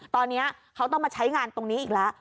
ตอนนี้เขาต้องมาใช้งานตรงนี้อีกแล้ว